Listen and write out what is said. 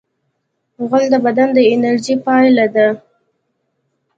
غول د بدن د انرژۍ پایله ده.